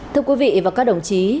thưa quý vị và các đồng chí